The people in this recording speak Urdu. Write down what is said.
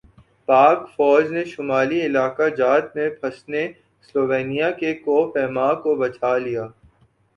پاک فوج نے شمالی علاقہ جات میں پھنسے سلوینیا کے کوہ پیما کو بچالیا